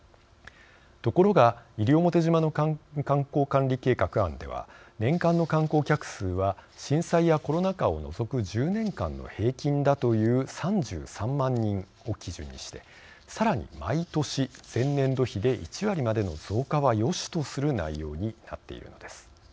ところが西表島の観光管理計画案では年間の観光客数は震災やコロナ禍を除く１０年間の平均だという３３万人を基準にしてさらに、毎年前年度比で１割までの増加はよしとする内容になっているのです。